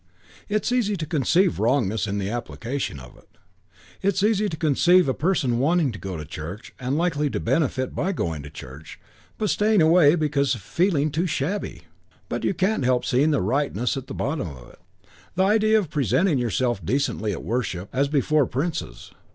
It's easy to conceive wrongness in the application of it. It's easy to conceive a person wanting to go to church and likely to benefit by going to church, but staying away because of feeling too shabby. But you can't help seeing the rightness at the bottom of it the idea of presenting yourself decently at worship, as before princes.